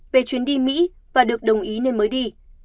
về chuyến đi mỹ và được đồng ý nên mới đi